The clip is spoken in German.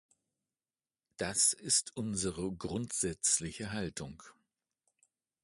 Das ist unsere grundsätzliche Haltung.